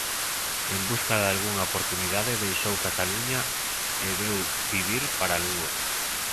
En busca dalgunha oportunidade deixou Cataluña e veu vivir para Lugo.